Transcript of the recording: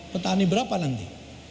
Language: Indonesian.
petani berapa nanti